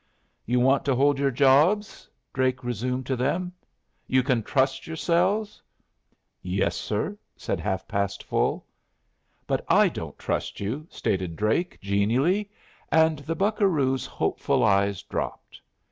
"You want to hold your jobs?" Drake resumed to them. "You can trust yourselves?" "Yes, sir," said Half past Full. "But I don't trust you," stated Drake, genially; and the buccaroos' hopeful eyes dropped.